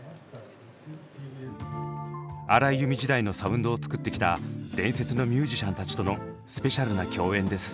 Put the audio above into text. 荒井由実時代のサウンドを作ってきた伝説のミュージシャンたちとのスペシャルな共演です。